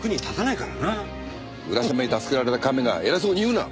浦島に助けられた亀が偉そうに言うな！